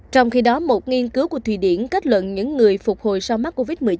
trong khi đó một nghiên cứu của thụy điển kết luận những người phục hồi sau mắc covid một mươi chín